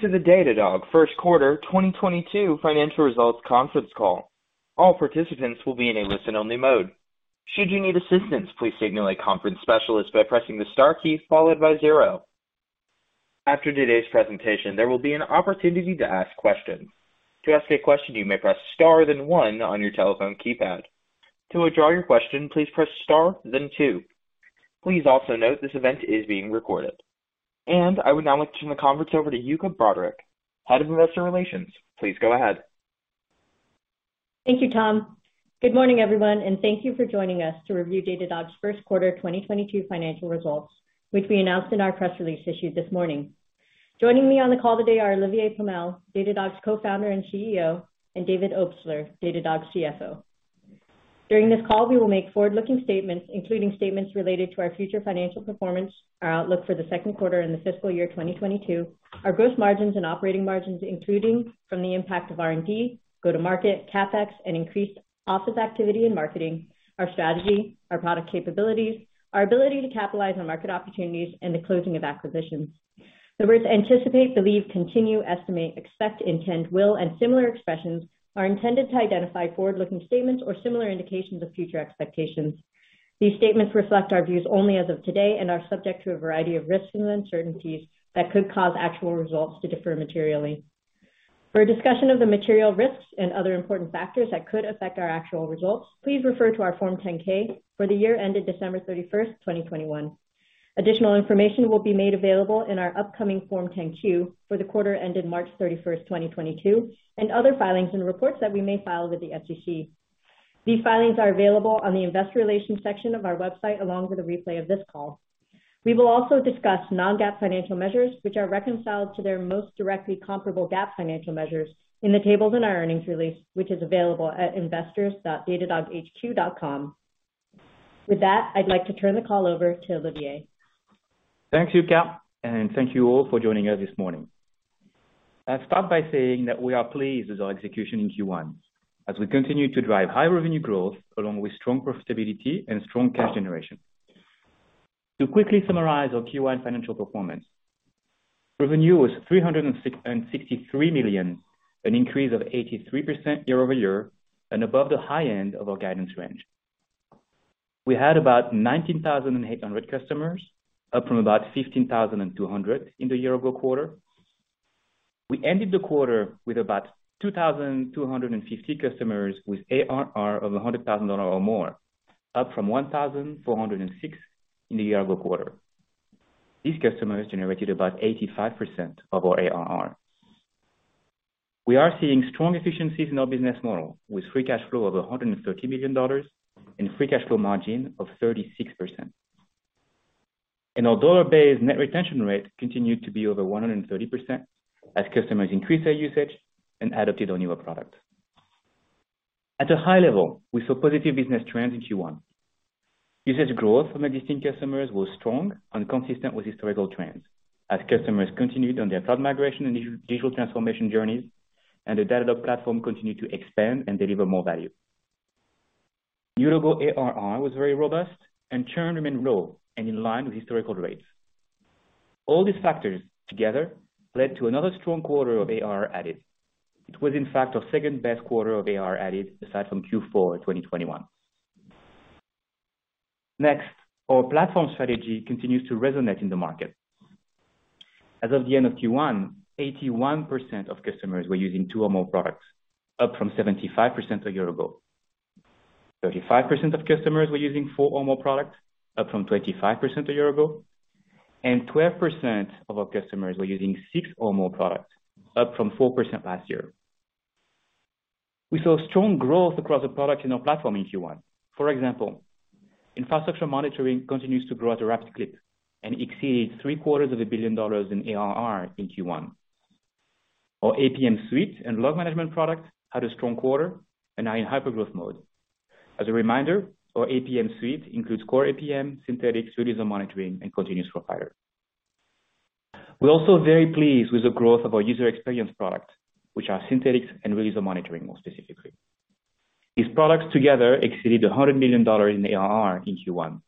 Welcome to the Datadog first quarter 2022 financial results conference call. All participants will be in a listen-only mode. Should you need assistance, please signal a conference specialist by pressing the star key followed by zero. After today's presentation, there will be an opportunity to ask questions. To ask a question, you may press star then one on your telephone keypad. To withdraw your question, please press star then two. Please also note this event is being recorded. I would now like to turn the conference over to Yuka Broderick, Head of Investor Relations. Please go ahead. Thank you, Tom. Good morning, everyone, and thank you for joining us to review Datadog's first quarter 2022 financial results, which we announced in our press release issued this morning. Joining me on the call today are Olivier Pomel, Datadog's Co-founder and CEO, and David Obstler, Datadog's CFO. During this call, we will make forward-looking statements, including statements related to our future financial performance, our outlook for the second quarter and the fiscal year 2022, our gross margins and operating margins, including from the impact of R&D, go-to-market, CapEx and increased office activity and marketing, our strategy, our product capabilities, our ability to capitalize on market opportunities and the closing of acquisitions. The words anticipate, believe, continue, estimate, expect, intend, will and similar expressions are intended to identify forward-looking statements or similar indications of future expectations. These statements reflect our views only as of today and are subject to a variety of risks and uncertainties that could cause actual results to differ materially. For a discussion of the material risks and other important factors that could affect our actual results, please refer to our Form 10-K for the year ended December 31, 2021. Additional information will be made available in our upcoming Form 10-Q for the quarter ended March 31, 2022, and other filings and reports that we may file with the SEC. These filings are available on the investor relations section of our website, along with a replay of this call. We will also discuss non-GAAP financial measures, which are reconciled to their most directly comparable GAAP financial measures in the tables in our earnings release, which is available at investors.datadoghq.com. With that, I'd like to turn the call over to Olivier. Thanks, Yuka, and thank you all for joining us this morning. I'll start by saying that we are pleased with our execution in Q1 as we continue to drive high revenue growth along with strong profitability and strong cash generation. To quickly summarize our Q1 financial performance. Revenue was $363 million, an increase of 83% year-over-year and above the high end of our guidance range. We had about 19,800 customers, up from about 15,200 in the year ago quarter. We ended the quarter with about 2,250 customers with ARR of $100,000 or more, up from 1,406 in the year ago quarter. These customers generated about 85% of our ARR. We are seeing strong efficiencies in our business model with free cash flow of $130 million and free cash flow margin of 36%. Our dollar-based net retention rate continued to be over 130% as customers increased their usage and adopted our newer products. At a high level, we saw positive business trends in Q1. Usage growth from existing customers was strong and consistent with historical trends as customers continued on their cloud migration and digital transformation journeys and the Datadog platform continued to expand and deliver more value. New logo ARR was very robust and churn remained low and in line with historical rates. All these factors together led to another strong quarter of ARR added. It was in fact our second best quarter of ARR added aside from Q4 2021. Next, our platform strategy continues to resonate in the market. As of the end of Q1, 81% of customers were using two or more products, up from 75% a year ago. 35% of customers were using four or more products, up from 25% a year ago. 12% of our customers were using six or more products, up from 4% last year. We saw strong growth across the products in our platform in Q1. For example, Infrastructure Monitoring continues to grow at a rapid clip and exceeded three-quarters of a billion dollars in ARR in Q1. Our APM Suite and Log Management product had a strong quarter and are in hypergrowth mode. As a reminder, our APM Suite includes core APM, Synthetics, user monitoring and Continuous Profiler. We're also very pleased with the growth of our user experience product, which are Synthetics and Real User Monitoring more specifically. These products together exceeded $100 million in ARR in Q1.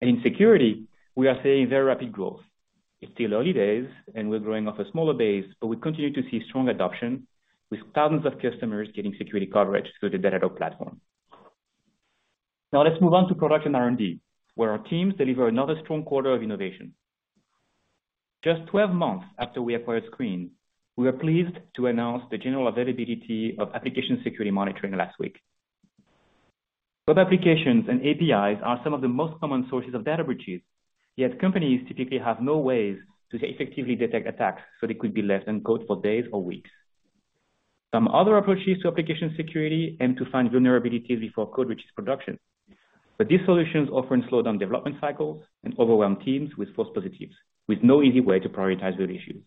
In security, we are seeing very rapid growth. It's still early days and we're growing off a smaller base, but we continue to see strong adoption with thousands of customers getting security coverage through the Datadog platform. Now let's move on to product R&D, where our teams deliver another strong quarter of innovation. Just 12 months after we acquired Sqreen, we are pleased to announce the general availability of Application Security Monitoring last week. Web applications and APIs are some of the most common sources of data breaches, yet companies typically have no ways to effectively detect attacks, so they could be left undetected for days or weeks. Some other approaches to application security aim to find vulnerabilities before code reaches production. These solutions often slow down development cycles and overwhelm teams with false positives, with no easy way to prioritize those issues.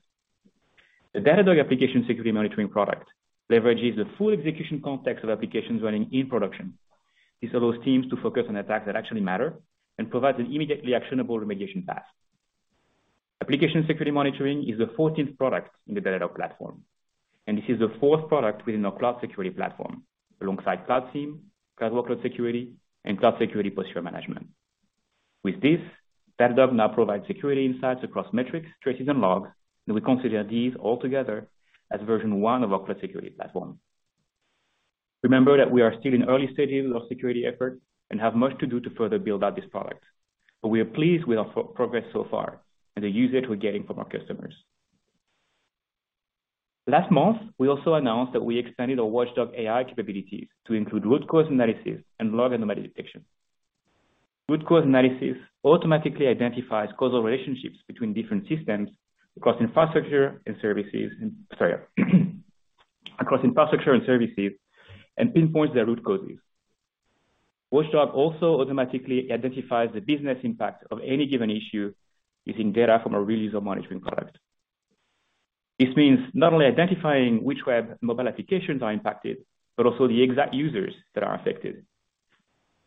The Datadog Application Security Monitoring product leverages the full execution context of applications running in production. This allows teams to focus on attacks that actually matter and provides an immediately actionable remediation path. Application Security Monitoring is the fourteenth product in the Datadog platform. This is the fourth product within our cloud security platform alongside Cloud SIEM, Cloud Workload Security, and Cloud Security Posture Management. With this, Datadog now provides security insights across metrics, traces, and logs, and we consider these all together as version one of our cloud security platform. Remember that we are still in early stages of security effort and have much to do to further build out this product. We are pleased with our progress so far and the usage we're getting from our customers. Last month, we also announced that we expanded our Watchdog AI capabilities to include root cause analysis and log anomaly detection. Root cause analysis automatically identifies causal relationships between different systems across infrastructure and services, and pinpoints their root causes. Watchdog also automatically identifies the business impact of any given issue using data from Real User Monitoring product. This means not only identifying which web and mobile applications are impacted, but also the exact users that are affected.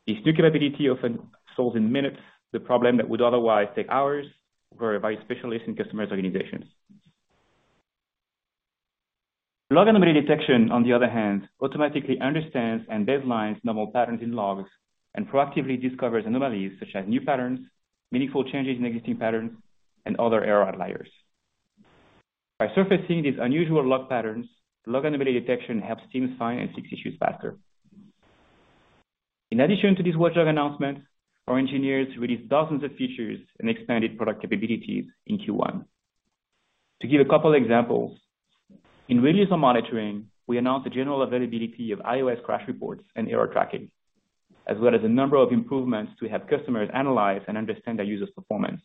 This new capability often solves in minutes the problem that would otherwise take hours for a very specialist in customers organizations. Log anomaly detection, on the other hand, automatically understands and baselines normal patterns in logs and proactively discovers anomalies such as new patterns, meaningful changes in existing patterns, and other error outliers. By surfacing these unusual log patterns, log anomaly detection helps teams find and fix issues faster. In addition to this Watchdog announcement, our engineers released dozens of features and expanded product capabilities in Q1. To give a couple examples. In release and monitoring, we announced the general availability of iOS crash reports and error tracking, as well as a number of improvements to help customers analyze and understand their user's performance.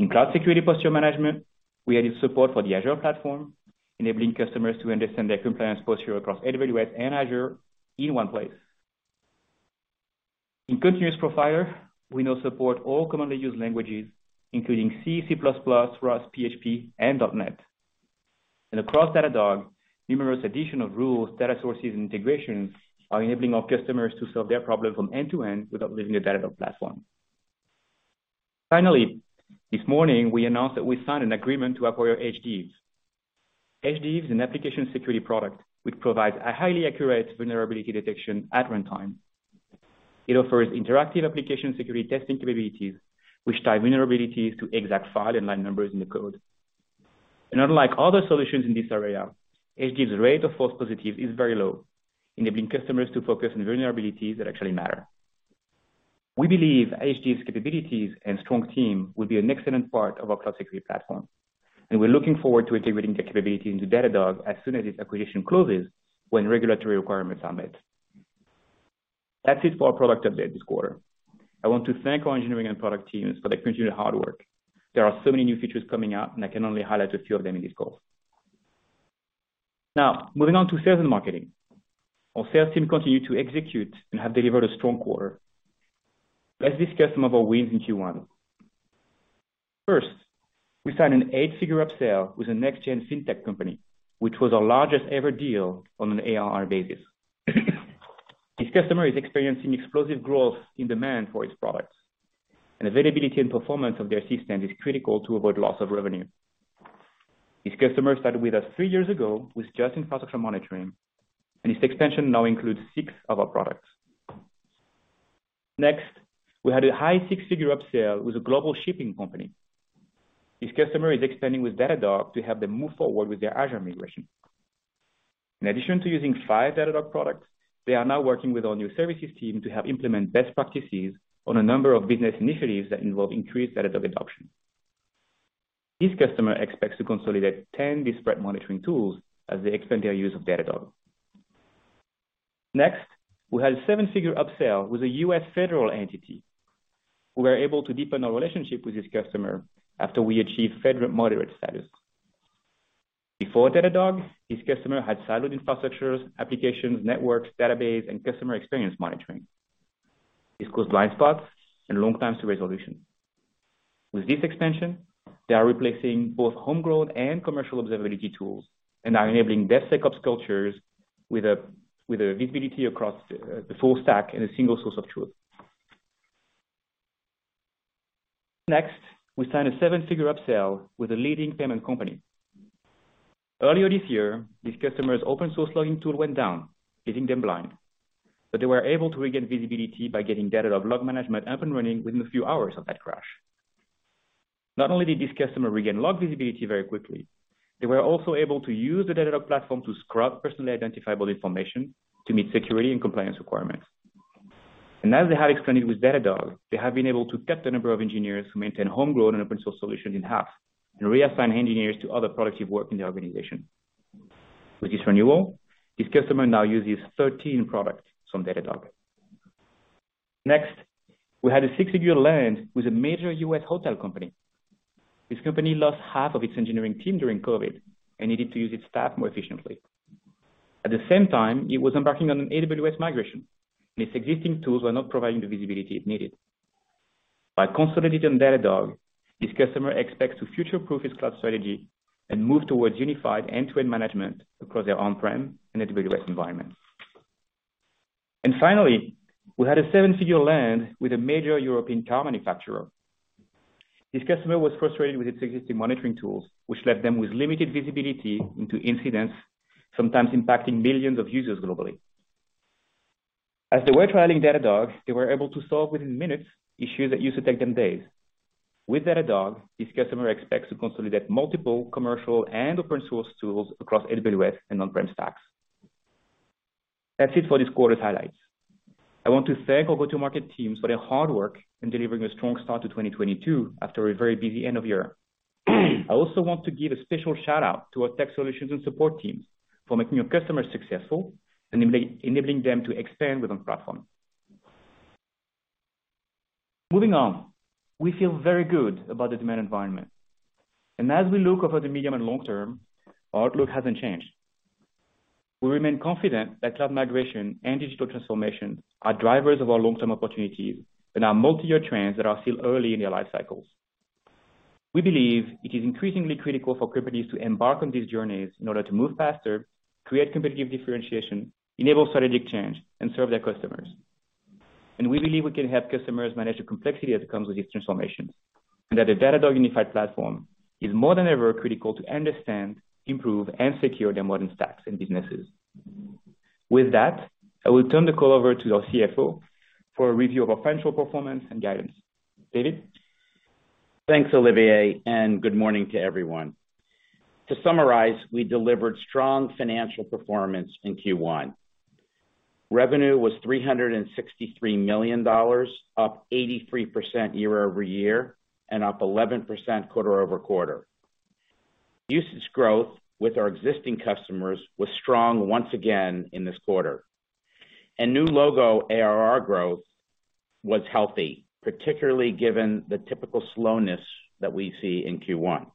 In Cloud Security Posture Management, we added support for the Azure platform, enabling customers to understand their compliance posture across AWS and Azure in one place. In Continuous Profiler, we now support all commonly used languages including C++, Rust, PHP, and .NET. Across Datadog, numerous additional rules, data sources, and integrations are enabling our customers to solve their problems from end to end without leaving the Datadog platform. Finally, this morning we announced that we signed an agreement to acquire Hdiv. Hdiv is an application security product which provides a highly accurate vulnerability detection at runtime. It offers interactive application security testing capabilities which tie vulnerabilities to exact file and line numbers in the code. Unlike other solutions in this area, Hdiv rate of false positive is very low, enabling customers to focus on vulnerabilities that actually matter. We believe Hdiv capabilities and strong team will be an excellent part of our cloud security platform, and we're looking forward to integrating their capability into Datadog as soon as this acquisition closes when regulatory requirements are met. That's it for our product update this quarter. I want to thank our engineering and product teams for their continued hard work. There are so many new features coming out, and I can only highlight a few of them in this call. Now, moving on to sales and marketing. Our sales team continued to execute and have delivered a strong quarter. Let's discuss some of our wins in Q1. First, we signed an eight-figure upsell with a next-gen fintech company, which was our largest ever deal on an ARR basis. This customer is experiencing explosive growth in demand for its products. Availability and performance of their system is critical to avoid loss of revenue. This customer started with us three years ago with just Infrastructure Monitoring, and its expansion now includes six of our products. Next, we had a high six-figure upsell with a global shipping company. This customer is expanding with Datadog to help them move forward with their Azure migration. In addition to using five Datadog products, they are now working with our new services team to help implement best practices on a number of business initiatives that involve increased Datadog adoption. This customer expects to consolidate 10 disparate monitoring tools as they expand their use of Datadog. Next, we had a 7-figure upsell with a U.S. federal entity. We were able to deepen our relationship with this customer after we achieved FedRAMP moderate status. Before Datadog, this customer had siloed infrastructures, applications, networks, database, and customer experience monitoring. This caused blind spots and long times to resolution. With this expansion, they are replacing both homegrown and commercial observability tools and are enabling DevSecOps cultures with visibility across the full stack and a single source of truth. Next, we signed a seven-figure upsell with a leading payment company. Earlier this year, this customer's open source logging tool went down, leaving them blind. They were able to regain visibility by getting Datadog Log Management up and running within a few hours of that crash. Not only did this customer regain log visibility very quickly, they were also able to use the Datadog platform to scrub personally identifiable information to meet security and compliance requirements. As they have expanded with Datadog, they have been able to cut the number of engineers who maintain homegrown and open source solutions in half and reassign engineers to other productive work in the organization. With this renewal, this customer now uses 13 products from Datadog. Next, we had a six-figure land with a major U.S. hotel company. This company lost half of its engineering team during COVID and needed to use its staff more efficiently. At the same time, it was embarking on an AWS migration, and its existing tools were not providing the visibility it needed. By consolidating on Datadog, this customer expects to future-proof its cloud strategy and move towards unified end-to-end management across their on-prem and AWS environment. Finally, we had a seven-figure land with a major European car manufacturer. This customer was frustrated with its existing monitoring tools, which left them with limited visibility into incidents, sometimes impacting millions of users globally. As they were trialing Datadog, they were able to solve within minutes issues that used to take them days. With Datadog, this customer expects to consolidate multiple commercial and open source tools across AWS and on-premise stacks. That's it for this quarter's highlights. I want to thank our go-to-market teams for their hard work in delivering a strong start to 2022 after a very busy end of year. I also want to give a special shout out to our tech solutions and support teams for making our customers successful, enabling them to expand within platform. Moving on, we feel very good about the demand environment. As we look over the medium and long term, our outlook hasn't changed. We remain confident that cloud migration and digital transformation are drivers of our long-term opportunities and are multi-year trends that are still early in their life cycles. We believe it is increasingly critical for companies to embark on these journeys in order to move faster, create competitive differentiation, enable strategic change, and serve their customers. We believe we can help customers manage the complexity that comes with these transformations, and that the Datadog unified platform is more than ever critical to understand, improve, and secure their modern stacks and businesses. With that, I will turn the call over to our CFO for a review of our financial performance and guidance. David? Thanks, Olivier, and good morning to everyone. To summarize, we delivered strong financial performance in Q1. Revenue was $363 million, up 83% year-over-year, and up 11% quarter-over-quarter. Usage growth with our existing customers was strong once again in this quarter. New logo ARR growth was healthy, particularly given the typical slowness that we see in Q1.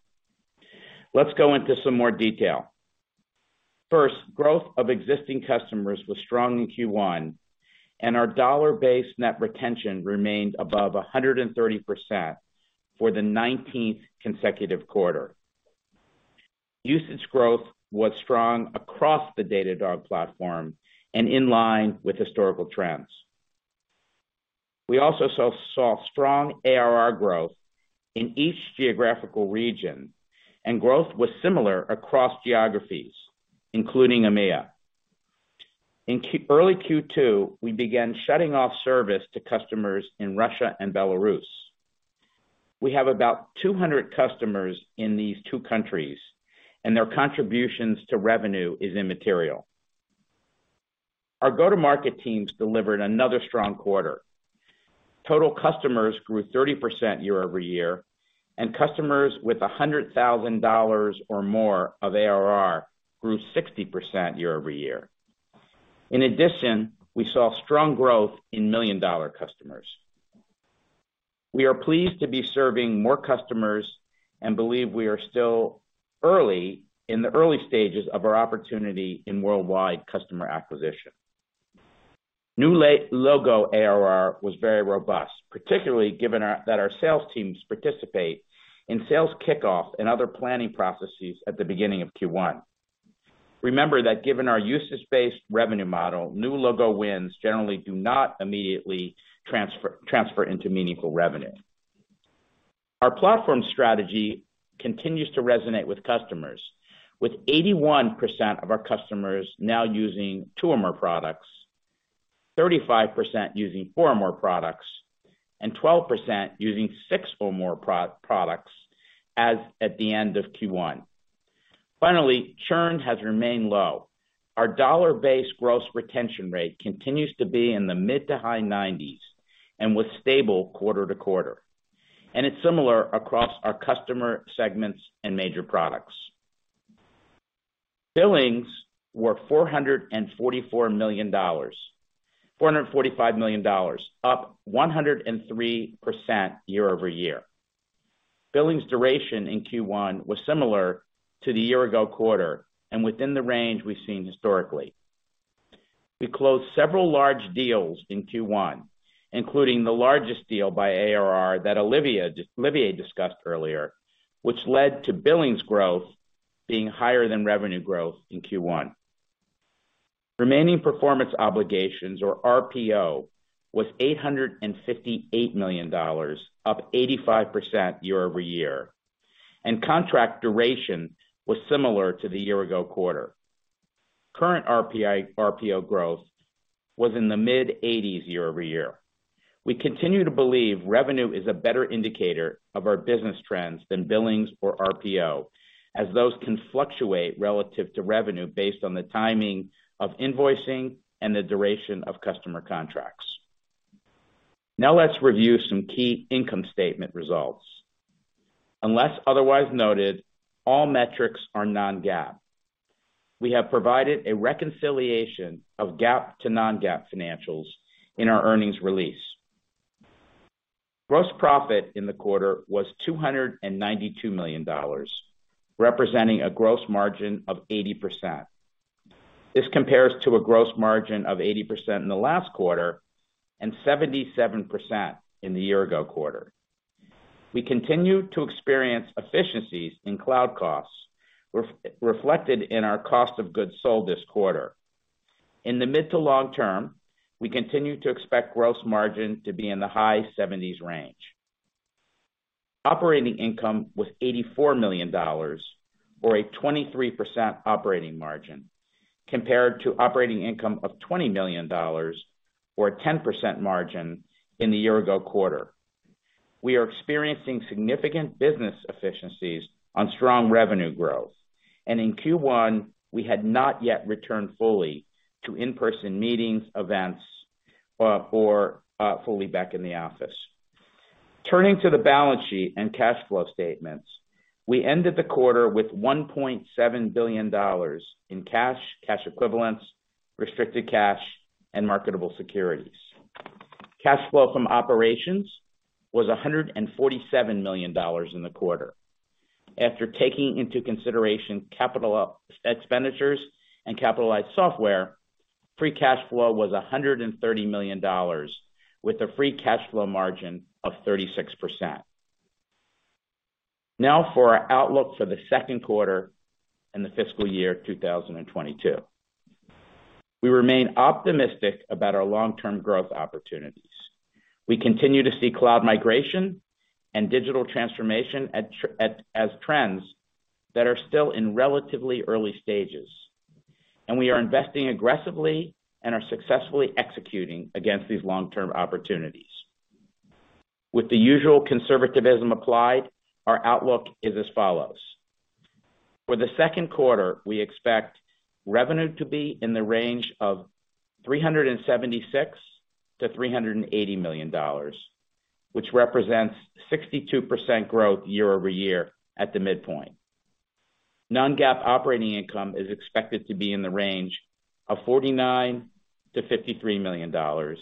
Let's go into some more detail. First, growth of existing customers was strong in Q1, and our dollar-based net retention remained above 130% for the 19th consecutive quarter. Usage growth was strong across the Datadog platform and in line with historical trends. We also saw strong ARR growth in each geographical region, and growth was similar across geographies, including EMEA. In early Q2, we began shutting off service to customers in Russia and Belarus. We have about 200 customers in these two countries, and their contributions to revenue is immaterial. Our go-to-market teams delivered another strong quarter. Total customers grew 30% year-over-year, and customers with $100,000 or more of ARR grew 60% year-over-year. In addition, we saw strong growth in million-dollar customers. We are pleased to be serving more customers and believe we are still early in the early stages of our opportunity in worldwide customer acquisition. New logo ARR was very robust, particularly given that our sales teams participate in sales kickoff and other planning processes at the beginning of Q1. Remember that given our usage-based revenue model, new logo wins generally do not immediately transfer into meaningful revenue. Our platform strategy continues to resonate with customers, with 81% of our customers now using two or more products, 35% using four or more products, and 12% using six or more products as at the end of Q1. Finally, churn has remained low. Our dollar-based gross retention rate continues to be in the mid- to high 90s and was stable quarter-to-quarter. It's similar across our customer segments and major products. Billings were $444 million, $445 million, up 103% year-over-year. Billings duration in Q1 was similar to the year-ago quarter and within the range we've seen historically. We closed several large deals in Q1, including the largest deal by ARR that Olivier discussed earlier, which led to billings growth being higher than revenue growth in Q1. Remaining performance obligations or RPO was $858 million, up 85% year-over-year, and contract duration was similar to the year ago quarter. Current RPO growth was in the mid-80s year-over-year. We continue to believe revenue is a better indicator of our business trends than billings or RPO, as those can fluctuate relative to revenue based on the timing of invoicing and the duration of customer contracts. Now let's review some key income statement results. Unless otherwise noted, all metrics are non-GAAP. We have provided a reconciliation of GAAP to non-GAAP financials in our earnings release. Gross profit in the quarter was $292 million, representing a gross margin of 80%. This compares to a gross margin of 80% in the last quarter and 77% in the year ago quarter. We continue to experience efficiencies in cloud costs reflected in our cost of goods sold this quarter. In the mid to long term, we continue to expect gross margin to be in the high 70s range. Operating income was $84 million or a 23% operating margin compared to operating income of $20 million or a 10% margin in the year ago quarter. We are experiencing significant business efficiencies on strong revenue growth. In Q1, we had not yet returned fully to in-person meetings, events, or fully back in the office. Turning to the balance sheet and cash flow statements. We ended the quarter with $1.7 billion in cash equivalents, restricted cash, and marketable securities. Cash flow from operations was $147 million in the quarter. After taking into consideration capital expenditures and capitalized software, free cash flow was $130 million with a free cash flow margin of 36%. Now for our outlook for the second quarter and the fiscal year 2022. We remain optimistic about our long-term growth opportunities. We continue to see cloud migration and digital transformation as trends that are still in relatively early stages. We are investing aggressively and are successfully executing against these long-term opportunities. With the usual conservatism applied, our outlook is as follows. For the second quarter, we expect revenue to be in the range of $376 million-$380 million, which represents 62% growth year-over-year at the midpoint. Non-GAAP operating income is expected to be in the range of $49 million-$53 million,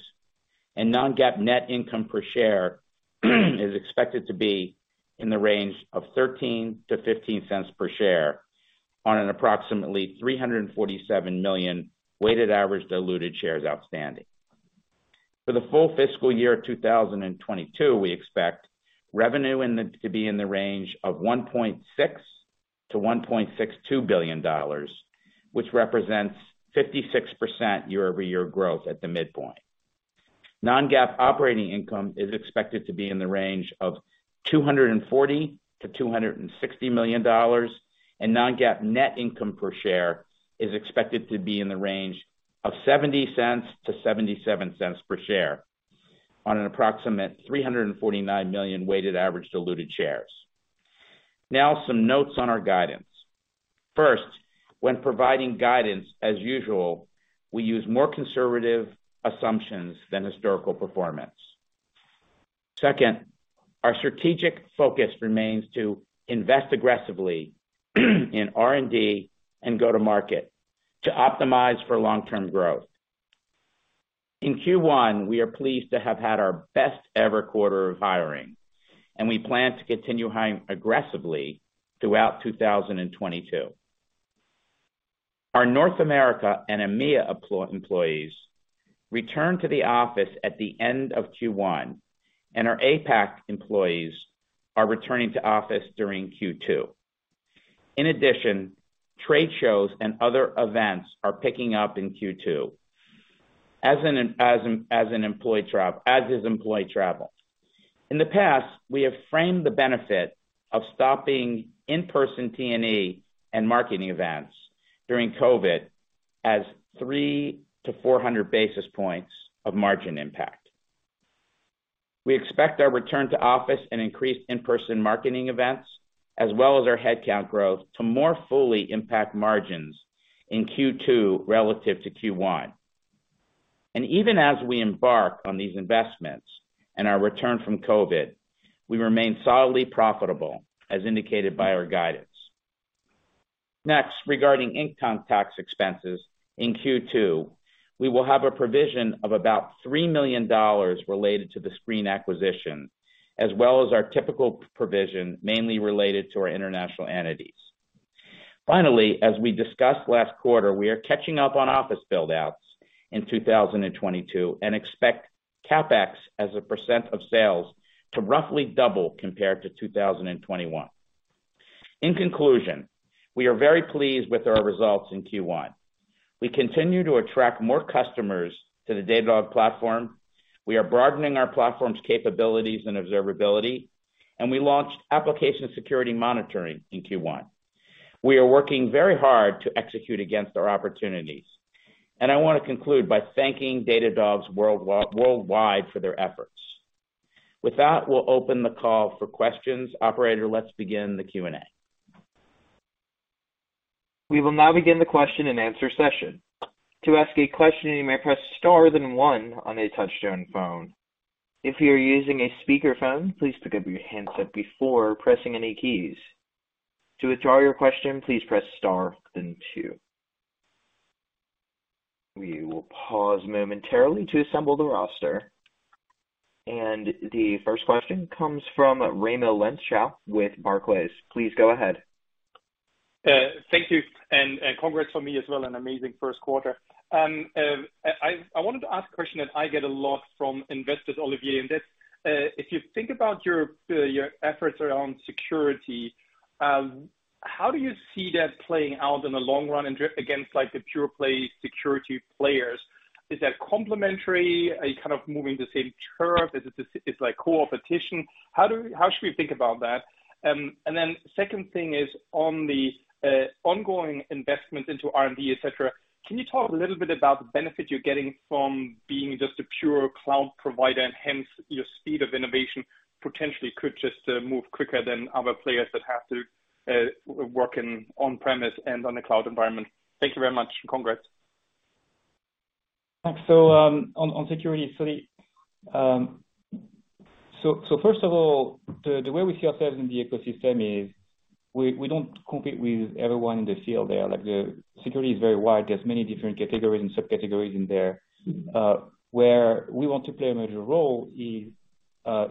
and non-GAAP net income per share is expected to be in the range of $0.13-$0.15 per share on an approximately 347 million weighted average diluted shares outstanding. For the full fiscal year 2022, we expect revenue to be in the range of $1.6 billion-$1.62 billion, which represents 56% year-over-year growth at the midpoint. Non-GAAP operating income is expected to be in the range of $240 million-$260 million, and non-GAAP net income per share is expected to be in the range of $0.70-$0.77 per share on an approximate 349 million weighted average diluted shares. Now some notes on our guidance. First, when providing guidance, as usual, we use more conservative assumptions than historical performance. Second, our strategic focus remains to invest aggressively in R&D and go to market to optimize for long-term growth. In Q1, we are pleased to have had our best-ever quarter of hiring, and we plan to continue hiring aggressively throughout 2022. Our North America and EMEA employees returned to the office at the end of Q1, and our APAC employees are returning to office during Q2. In addition, trade shows and other events are picking up in Q2 as is employee travel. In the past, we have framed the benefit of stopping in-person T&E and marketing events during COVID as 300-400 basis points of margin impact. We expect our return to office and increased in-person marketing events as well as our headcount growth to more fully impact margins in Q2 relative to Q1. Even as we embark on these investments and our return from COVID, we remain solidly profitable, as indicated by our guidance. Next, regarding income tax expenses in Q2, we will have a provision of about $3 million related to the Sqreen acquisition, as well as our typical provision, mainly related to our international entities. Finally, as we discussed last quarter, we are catching up on office build-outs in 2022 and expect CapEx as a % of sales to roughly double compared to 2021. In conclusion, we are very pleased with our results in Q1. We continue to attract more customers to the Datadog platform. We are broadening our platform's capabilities and observability, and we launched Application Security Monitoring in Q1. We are working very hard to execute against our opportunities, and I want to conclude by thanking Datadog's worldwide for their efforts. With that, we'll open the call for questions. Operator, let's begin the Q&A. We will now begin the question and answer session. To ask a question, you may press star then one on a touchtone phone. If you are using a speakerphone, please pick up your handset before pressing any keys. To withdraw your question, please press star then two. We will pause momentarily to assemble the roster. The first question comes from Raimo Lenschow with Barclays. Please go ahead. Thank you, and congrats from me as well, an amazing first quarter. I wanted to ask a question that I get a lot from investors, Olivier, and that's if you think about your efforts around security. How do you see that playing out in the long run and against like the pure play security players? Is that complementary? Are you kind of moving the same turf? Is it just, is like cooperation? How should we think about that? And then second thing is on the ongoing investment into R&D, et cetera. Can you talk a little bit about the benefit you're getting from being just a pure cloud provider and hence your speed of innovation potentially could just move quicker than other players that have to work in on-premise and on the cloud environment. Thank you very much. Congrats. Thanks. On security. First of all, the way we see ourselves in the ecosystem is we don't compete with everyone in the field there. Like, the security is very wide. There's many different categories and subcategories in there. Where we want to play a major role is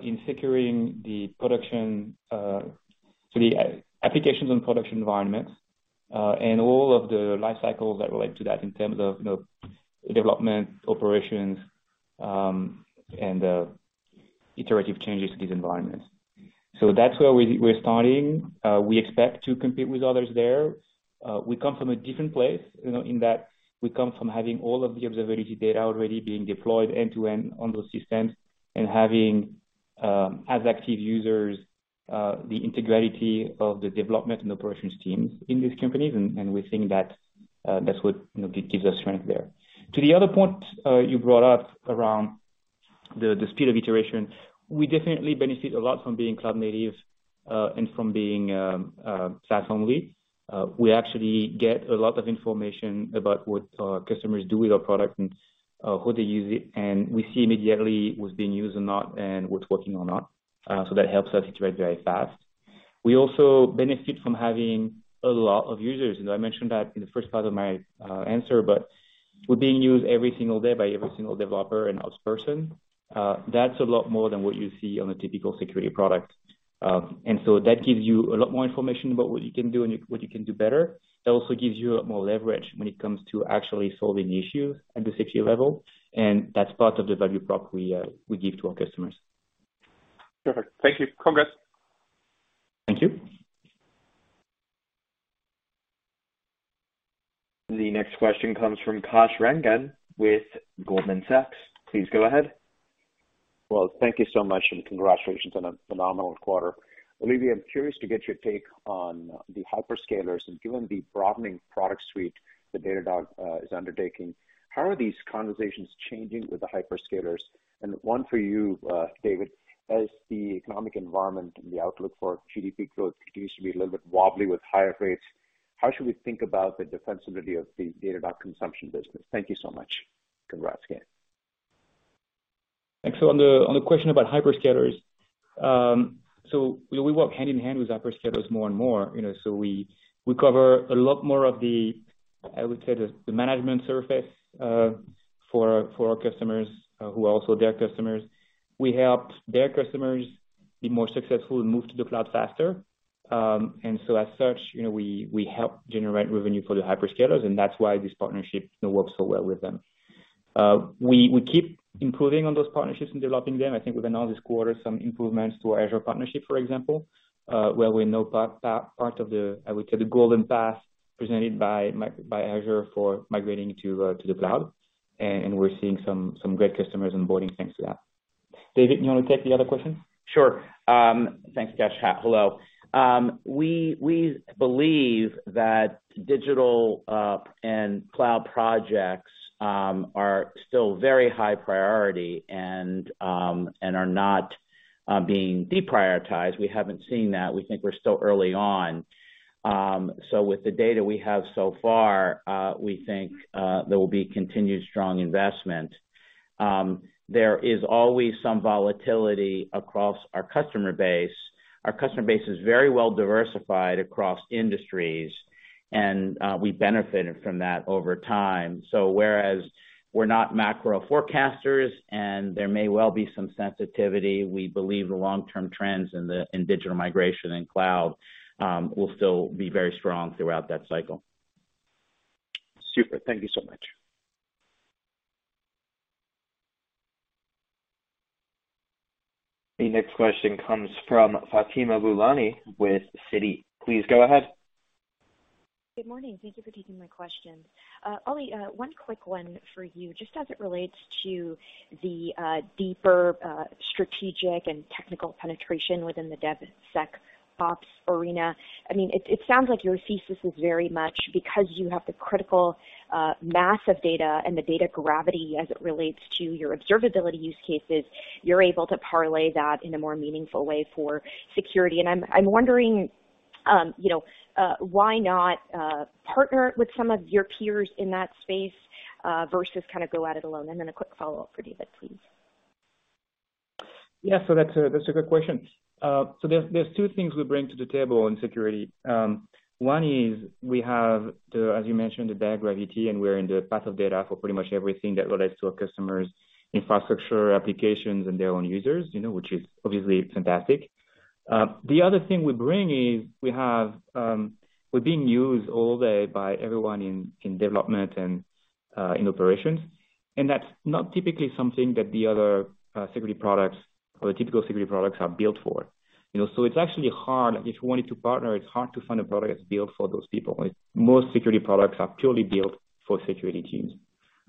in securing the production, so the applications and production environments, and all of the life cycles that relate to that in terms of, you know, development, operations, and iterative changes to these environments. That's where we're starting. We expect to compete with others there. We come from a different place, you know, in that we come from having all of the observability data already being deployed end-to-end on those systems and having as active users the integral to the development and operations teams in these companies. We think that that's what, you know, gives us strength there. To the other point you brought up around the speed of iteration, we definitely benefit a lot from being cloud native and from being SaaS only. We actually get a lot of information about what our customers do with our product and how they use it. We see immediately what's being used or not and what's working or not. So that helps us iterate very fast. We also benefit from having a lot of users. You know, I mentioned that in the first part of my answer, but we're being used every single day by every single developer and ops person. That's a lot more than what you see on a typical security product. That gives you a lot more information about what you can do and what you can do better. That also gives you more leverage when it comes to actually solving issues at the security level, and that's part of the value prop we give to our customers. Perfect. Thank you. Congrats. Thank you. The next question comes from Kash Rangan with Goldman Sachs. Please go ahead. Well, thank you so much, and congratulations on a phenomenal quarter. Olivier, I'm curious to get your take on the hyperscalers. Given the broadening product suite that Datadog is undertaking, how are these conversations changing with the hyperscalers? One for you, David, as the economic environment and the outlook for GDP growth continues to be a little bit wobbly with higher rates, how should we think about the defensibility of the Datadog consumption business? Thank you so much. Congrats again. Thanks. On the question about hyperscalers. We work hand in hand with hyperscalers more and more, you know. We cover a lot more of the, I would say, the management surface for our customers who are also their customers. We help their customers be more successful and move to the cloud faster. As such, you know, we help generate revenue for the hyperscalers, and that's why this partnership works so well with them. We keep improving on those partnerships and developing them. I think we've announced this quarter some improvements to our Azure partnership, for example, where we're now part of the, I would say, the golden path presented by Azure for migrating to the cloud. We're seeing some great customers onboarding thanks to that. David, you want to take the other question? Sure. Thanks, Kash. Hello. We believe that digital and cloud projects are still very high priority and are not being deprioritized. We haven't seen that. We think we're still early on. With the data we have so far, we think there will be continued strong investment. There is always some volatility across our customer base. Our customer base is very well diversified across industries, and we benefited from that over time. Whereas we're not macro forecasters, and there may well be some sensitivity, we believe the long-term trends in the digital migration and cloud will still be very strong throughout that cycle. Super. Thank you so much. The next question comes from Fatima Boolani with Citi. Please go ahead. Good morning. Thank you for taking my question. Olivier, one quick one for you, just as it relates to the deeper strategic and technical penetration within the DevSecOps arena. I mean, it sounds like your thesis is very much because you have the critical mass of data and the data gravity as it relates to your observability use cases, you're able to parlay that in a more meaningful way for security. I'm wondering, you know, why not partner with some of your peers in that space, versus kind of go at it alone? Then a quick follow-up for David, please. That's a good question. There are two things we bring to the table on security. One is we have, as you mentioned, the data gravity, and we're in the path of data for pretty much everything that relates to our customers' infrastructure, applications, and their own users, you know, which is obviously fantastic. The other thing we bring is we're being used all day by everyone in development and in operations. That's not typically something that the other security products or the typical security products are built for. You know, it's actually hard if you wanted to partner, it's hard to find a product that's built for those people. Most security products are purely built for security teams.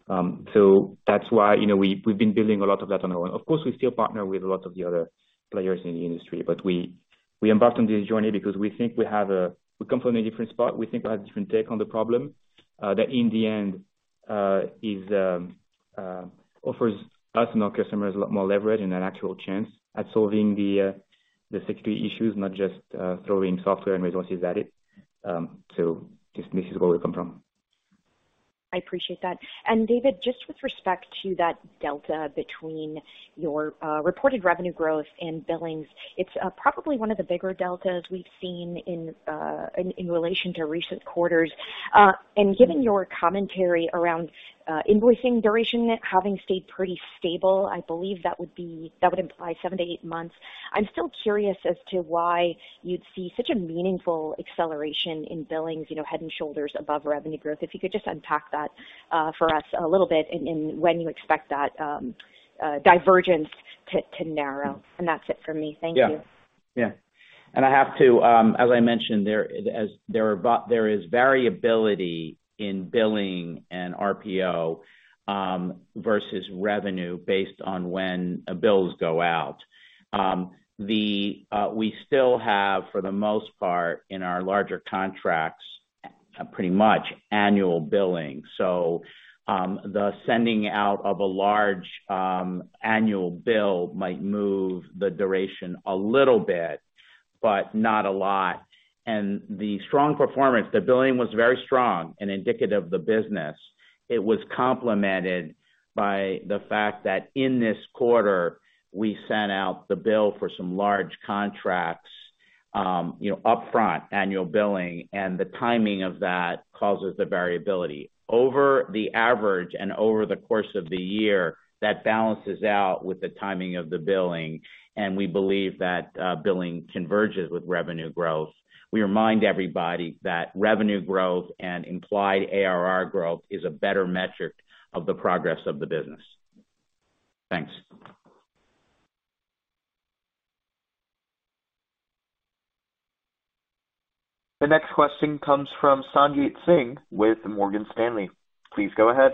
That's why, you know, we've been building a lot of that on our own. Of course, we still partner with a lot of the other players in the industry, but we embarked on this journey because we think we come from a different spot. We think we have a different take on the problem, that in the end offers us and our customers a lot more leverage and an actual chance at solving the security issues, not just throwing software and resources at it. This is where we come from. I appreciate that. David, just with respect to that delta between your reported revenue growth and billings, it's probably one of the bigger deltas we've seen in relation to recent quarters. Given your commentary around invoicing duration having stayed pretty stable, I believe that would imply 7-8 months. I'm still curious as to why you'd see such a meaningful acceleration in billings, you know, head and shoulders above revenue growth. If you could just unpack that for us a little bit and when you expect that divergence to narrow. That's it for me. Thank you. Yeah. I have to, as I mentioned there, as there is variability in billing and RPO versus revenue based on when bills go out. We still have, for the most part in our larger contracts, pretty much annual billing. The sending out of a large annual bill might move the duration a little bit, but not a lot. The strong performance, the billing was very strong and indicative of the business. It was complemented by the fact that in this quarter, we sent out the bill for some large contracts, you know, upfront annual billing, and the timing of that causes the variability. Over the average and over the course of the year, that balances out with the timing of the billing, and we believe that billing converges with revenue growth. We remind everybody that revenue growth and implied ARR growth is a better metric of the progress of the business. Thanks. The next question comes from Sanjit Singh with Morgan Stanley. Please go ahead.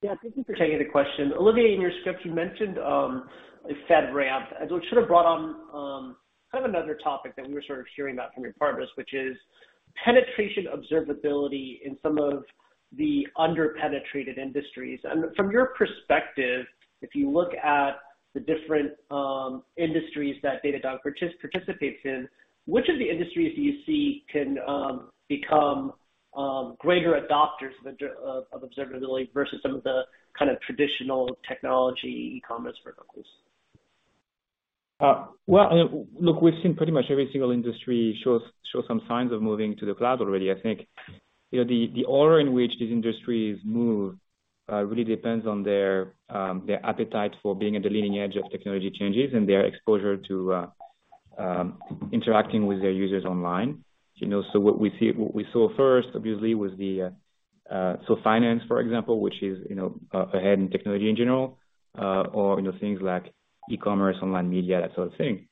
Yeah, thank you for taking the question. Olivier, in your script, you mentioned a FedRAMP, which sort of brought on kind of another topic that we were sort of hearing about from your partners, which is penetration observability in some of the under-penetrated industries. From your perspective, if you look at the different industries that Datadog participates in, which of the industries do you see can become greater adopters of observability versus some of the kind of traditional technology, e-commerce verticals? Well, look, we've seen pretty much every single industry show some signs of moving to the cloud already. I think, you know, the order in which these industries move really depends on their appetite for being at the leading edge of technology changes and their exposure to interacting with their users online. You know, what we saw first obviously was finance, for example, which is, you know, ahead in technology in general. You know, things like e-commerce, online media, that sort of thing.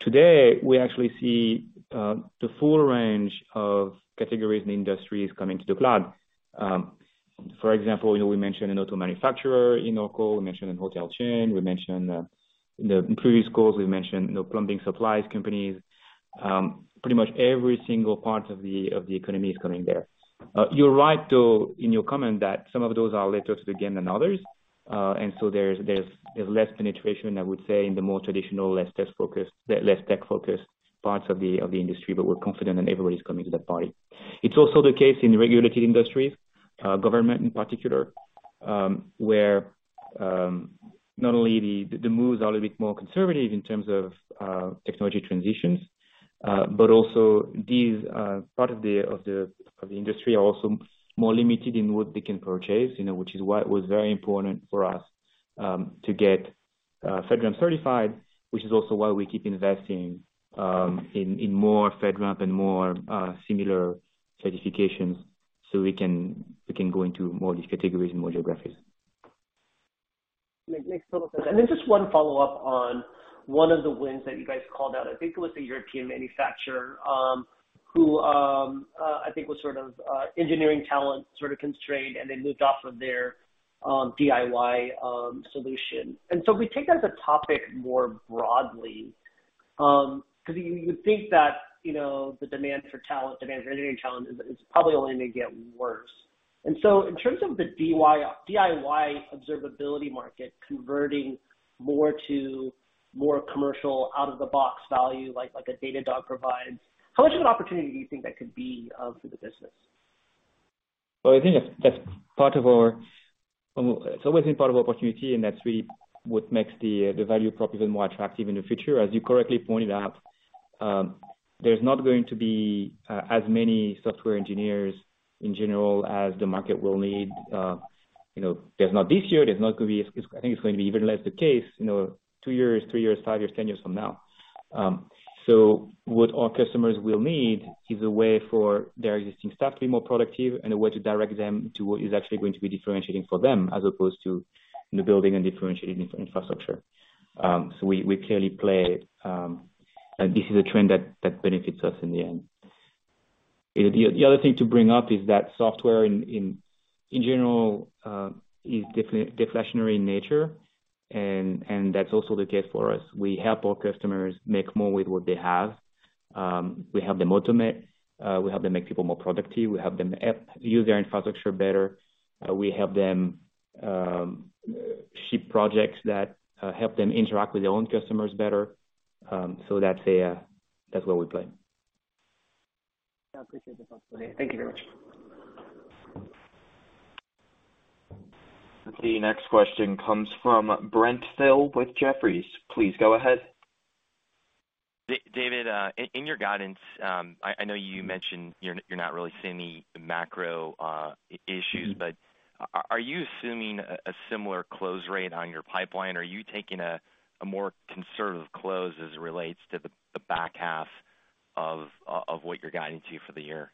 Today, we actually see the full range of categories and industries coming to the cloud. For example, you know, we mentioned an auto manufacturer in our call. We mentioned a hotel chain. We mentioned, you know, in previous calls, plumbing supplies companies. Pretty much every single part of the economy is coming there. You're right, though, in your comment that some of those are later to the game than others. There's less penetration, I would say, in the more traditional, less tech-focused parts of the industry, but we're confident that everybody's coming to the party. It's also the case in regulated industries, government in particular, where not only the moves are a little bit more conservative in terms of technology transitions, but also these parts of the industry are also more limited in what they can purchase, you know, which is why it was very important for us to get FedRAMP certified, which is also why we keep investing in more FedRAMP and more similar certifications so we can go into more of these categories and more geographies. Makes total sense. Just one follow-up on one of the wins that you guys called out. I think it was a European manufacturer who I think was sort of engineering talent sort of constrained, and they moved off of their DIY solution. If we take that as a topic more broadly, 'cause you would think that, you know, the demand for talent, demand for engineering talent is probably only gonna get worse. In terms of the DIY observability market converting more to commercial out-of-the-box value like a Datadog provides, how much of an opportunity do you think that could be for the business? Well, I think that's part of our. It's always been part of our opportunity, and that's really what makes the value proposition more attractive in the future. As you correctly pointed out, there's not going to be as many software engineers in general as the market will need. You know, there's not this year, there's not gonna be. I think it's going to be even less the case, you know, two years, three years, five years, 10 years from now. What our customers will need is a way for their existing staff to be more productive and a way to direct them to what is actually going to be differentiating for them, as opposed to building and differentiating infrastructure. We clearly play. This is a trend that benefits us in the end. The other thing to bring up is that software in general is deflationary in nature, and that's also the case for us. We help our customers make more with what they have. We help them automate. We help them make people more productive. We help them use their infrastructure better. We help them ship projects that help them interact with their own customers better. That's where we play. I appreciate the thoughts. Okay, thank you very much. The next question comes from Brent Thill with Jefferies. Please go ahead. David, in your guidance, I know you mentioned you're not really seeing any macro issues. Are you assuming a similar close rate on your pipeline? Are you taking a more conservative close as it relates to the back half of what you're guiding to for the year?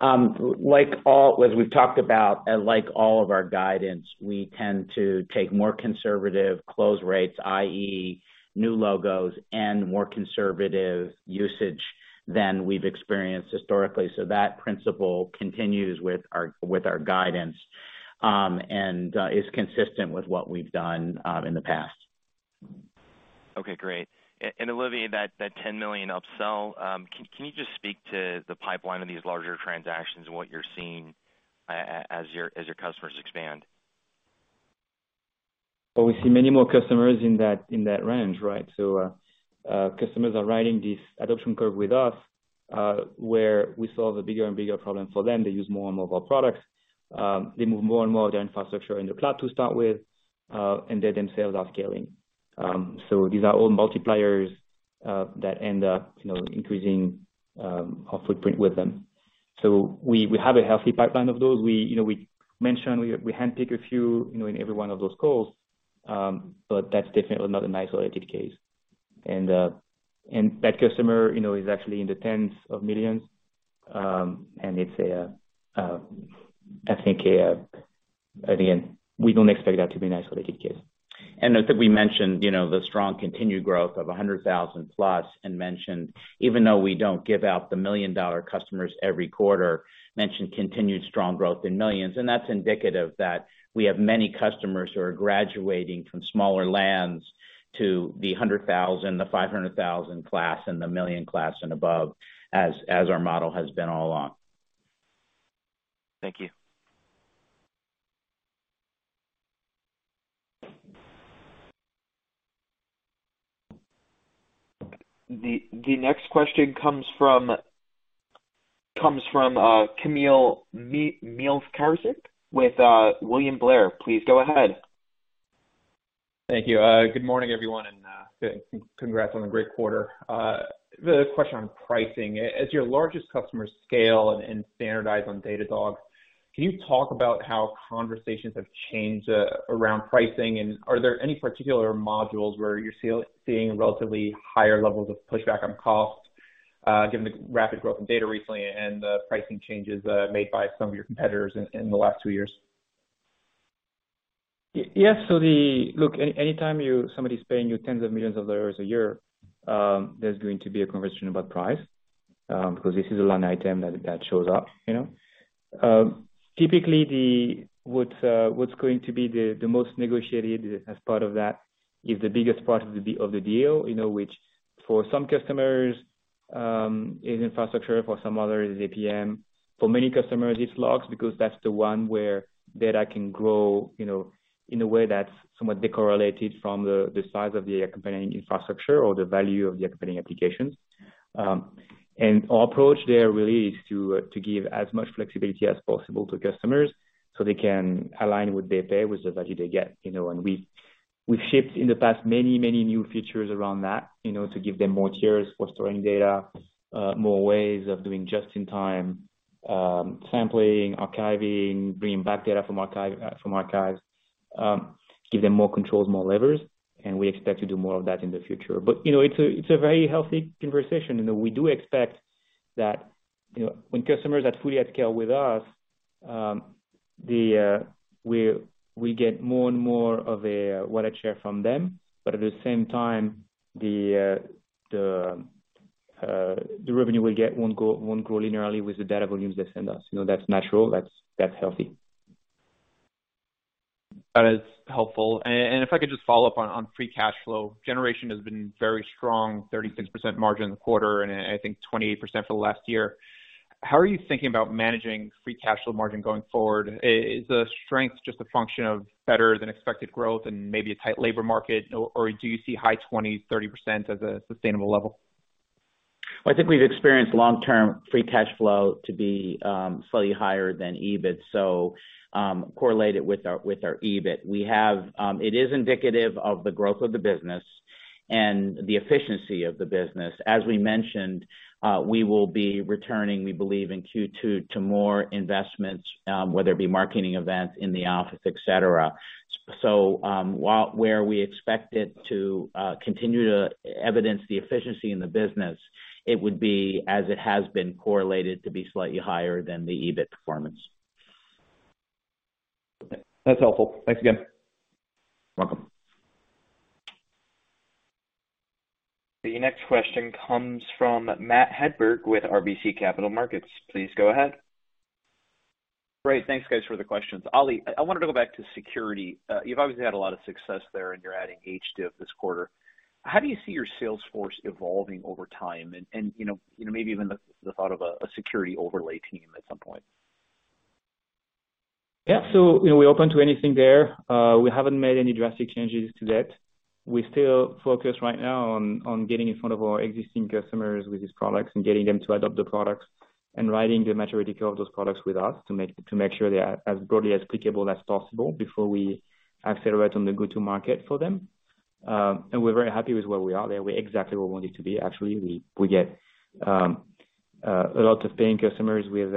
As we've talked about, like all of our guidance, we tend to take more conservative close rates, i.e., new logos and more conservative usage than we've experienced historically. That principle continues with our guidance and is consistent with what we've done in the past. Okay, great. Olivier, that $10 million upsell, can you just speak to the pipeline of these larger transactions and what you're seeing as your customers expand? Well, we see many more customers in that range, right? Customers are riding this adoption curve with us, where we solve a bigger and bigger problem for them. They use more and more of our products. They move more and more of their infrastructure in the cloud to start with, and they themselves are scaling. These are all multipliers that end up, you know, increasing our footprint with them. We have a healthy pipeline of those. We mentioned we handpick a few, you know, in every one of those calls. But that's definitely not an isolated case. And that customer, you know, is actually in the tens of millions. And it's a, I think again, we don't expect that to be an isolated case. I think we mentioned, you know, the strong continued growth of $100,000+ and mentioned even though we don't give out the million-dollar customers every quarter, mentioned continued strong growth in millions. That's indicative that we have many customers who are graduating from smaller plans to the $100,000, the $500,000 class, and the $1 million class and above, as our model has been all along. Thank you. The next question comes from Kamil Mielczarek with William Blair. Please go ahead. Thank you. Good morning, everyone, and congrats on the great quarter. The question on pricing. As your largest customers scale and standardize on Datadog, can you talk about how conversations have changed around pricing? Are there any particular modules where you're seeing relatively higher levels of pushback on cost, given the rapid growth in data recently and the pricing changes made by some of your competitors in the last two years? Yes. Look, anytime somebody's paying you $10s of millions a year, there's going to be a conversation about price, because this is a line item that shows up, you know. Typically, what's going to be the most negotiated as part of that is the biggest part of the deal, you know, which for some customers is infrastructure. For some others is APM. For many customers, it's logs because that's the one where data can grow, you know, in a way that's somewhat decorrelated from the size of the accompanying infrastructure or the value of the accompanying applications. Our approach there really is to give as much flexibility as possible to customers, so they can align what they pay with the value they get, you know. We've shipped in the past many new features around that, you know, to give them more tiers for storing data, more ways of doing just-in-time sampling, archiving, bringing back data from archives. Give them more controls, more levers, and we expect to do more of that in the future. You know, it's a very healthy conversation, and we do expect that, you know, when customers are fully at scale with us, we get more and more of a wallet share from them. At the same time, the revenue we'll get won't grow linearly with the data volumes they send us. You know, that's natural. That's healthy. That is helpful. If I could just follow up on free cash flow. Generation has been very strong, 36% margin in the quarter, and I think 28% for the last year. How are you thinking about managing free cash flow margin going forward? Is the strength just a function of better than expected growth and maybe a tight labor market, or do you see high 20, 30% as a sustainable level? I think we've experienced long-term free cash flow to be slightly higher than EBIT, so correlated with our EBIT. It is indicative of the growth of the business and the efficiency of the business. As we mentioned, we will be returning, we believe, in Q2 to more investments, whether it be marketing events in the office, et cetera. While we expect it to continue to evidence the efficiency in the business, it would be as it has been correlated to be slightly higher than the EBIT performance. Okay. That's helpful. Thanks again. Welcome. The next question comes from Matt Hedberg with RBC Capital Markets. Please go ahead. Great. Thanks guys for the questions. Olivier, I wanted to go back to security. You've obviously had a lot of success there, and you're adding Hdiv this quarter. How do you see your sales force evolving over time? You know, maybe even the thought of a security overlay team at some point. Yeah. You know, we're open to anything there. We haven't made any drastic changes to that. We still focus right now on getting in front of our existing customers with these products and getting them to adopt the products and riding the maturity curve of those products with us to make sure they are as broadly applicable as possible before we accelerate on the go-to-market for them. We're very happy with where we are there. We're exactly where we wanted to be. Actually, we get a lot of paying customers with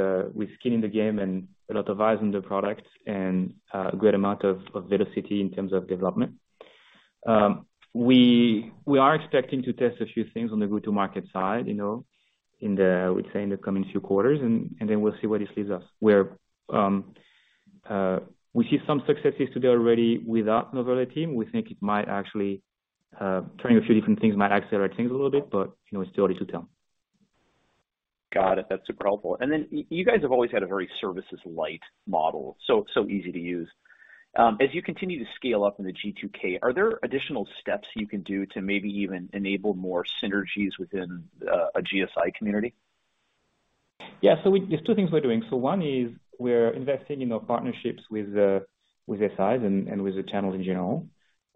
skin in the game and a lot of eyes on the products and a great amount of velocity in terms of development. We are expecting to test a few things on the go-to-market side, you know, in the, I would say, in the coming few quarters, and then we'll see where this leads us. We see some successes today already with our novelty team. We think it might actually trying a few different things might accelerate things a little bit, but, you know, it's still early to tell. Got it. That's super helpful. You guys have always had a very services light model, so easy to use. As you continue to scale up in the G2K, are there additional steps you can do to maybe even enable more synergies within a GSI community? Yeah. There's two things we're doing. One is we're investing in our partnerships with SIs and with the channels in general.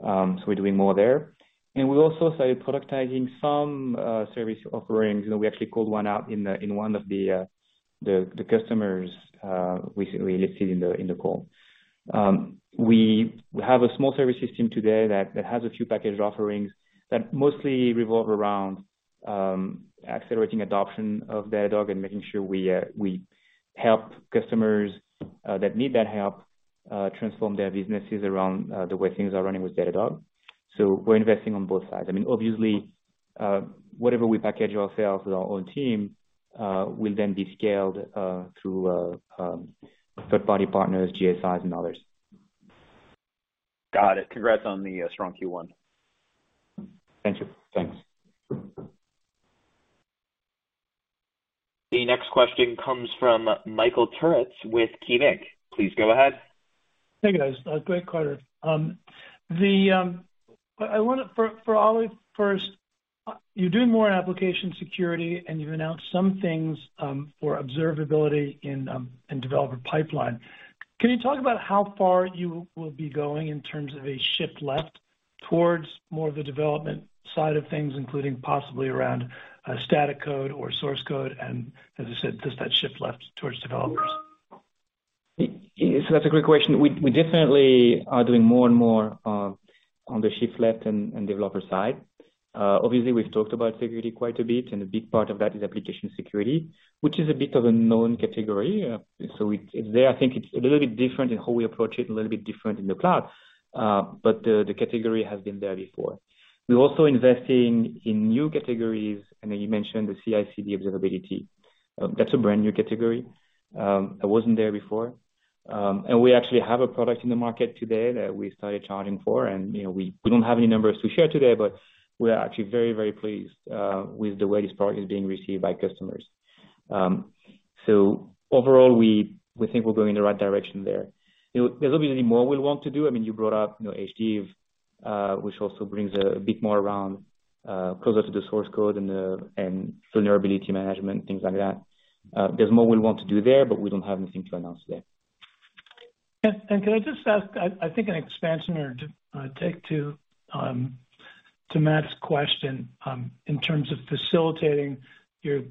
We're doing more there. We also started productizing some service offerings. You know, we actually called one out in one of the customers we listed in the call. We have a small service system today that has a few packaged offerings that mostly revolve around accelerating adoption of Datadog and making sure we help customers that need that help transform their businesses around the way things are running with Datadog. We're investing on both sides. I mean, obviously, whatever we package or sell for our own team will then be scaled through third party partners, GSIs and others. Got it. Congrats on the strong Q1. Thank you. Thanks. The next question comes from Michael Turits with KeyBanc. Please go ahead. Hey, guys. Great quarter. For Olivier, first, you're doing more on application security, and you've announced some things for observability in developer pipeline. Can you talk about how far you will be going in terms of a shift left towards more of the development side of things, including possibly around static code or source code, and as I said, just that shift left towards developers? Yeah. That's a great question. We definitely are doing more and more on the shift left and developer side. Obviously, we've talked about security quite a bit, and a big part of that is application security, which is a bit of a known category. It's there. I think it's a little bit different in how we approach it and a little bit different in the cloud, but the category has been there before. We're also investing in new categories. I know you mentioned the CI/CD observability. That's a brand-new category. It wasn't there before. We actually have a product in the market today that we started charging for. You know, we don't have any numbers to share today, but we are actually very pleased with the way this product is being received by customers. Overall, we think we're going in the right direction there. You know, there's obviously more we'll want to do. I mean, you brought up, you know, Hdiv, which also brings a bit more around closer to the source code and vulnerability management, things like that. There's more we'll want to do there, but we don't have anything to announce there. Yeah. Can I just ask, I think an expansion or take to Matt's question, in terms of facilitating your